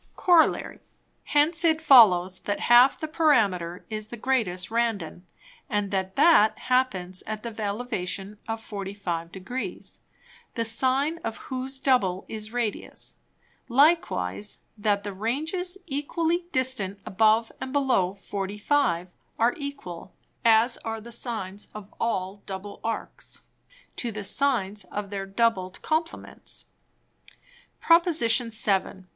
_ Corollary. Hence it follows, that half the Parameter is the greatest Randon, and that that happens at the Elevation of 45 Degrees, the Sine of whose double is Radius. Likewise that the Ranges equally distant above and below 45 are equal, as are the Sines of all double Arches, to the Sines of their doubled Complements. Prop. VII.